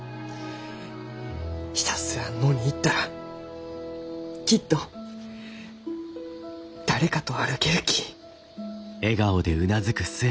ひたすら野に行ったらきっと誰かと歩けるき。